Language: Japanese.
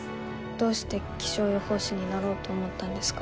どうして気象予報士になろうと思ったんですか？